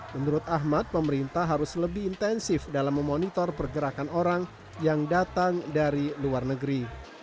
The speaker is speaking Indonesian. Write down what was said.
menurut ahmad pemerintah harus lebih intensif dalam memonitor pergerakan orang yang datang dari luar negeri